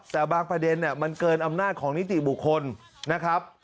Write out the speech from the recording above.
แต่บางประเด็นมันเกินอำนาจของนิติบุคคลนะครับ